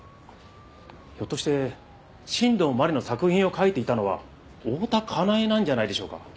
ひょっとして新道真理の作品を書いていたのは大多香苗なんじゃないでしょうか？